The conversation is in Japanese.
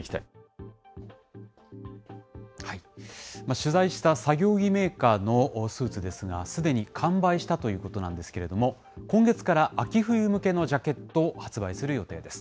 取材した作業着メーカーのスーツですが、すでに完売したということなんですけれども、今月から秋冬向けのジャケットを発売する予定です。